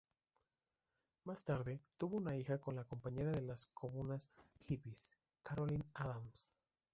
Más tarde tuvo una hija con una compañera de las comunas hippies, Carolyn Adams.